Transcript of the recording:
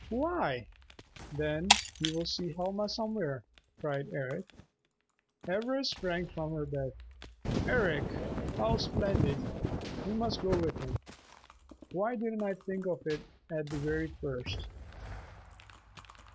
"Why, then he will see Helma somewhere!" cried Eric. Ivra sprang from her bed. "Eric, how splendid! We must go with him! Why didn't I think of it at the very first!"